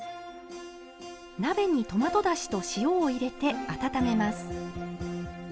鍋にトマトだしと塩を入れて温めます。